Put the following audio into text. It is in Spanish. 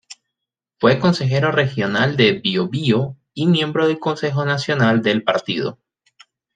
Fue consejero regional de Biobío y miembro del Consejo Nacional del partido.